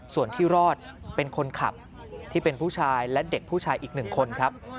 ส่วนที่รอดเป็นคนขับที่เป็นผู้ชายและเด็กผู้ชายอีกหนึ่งคนครับ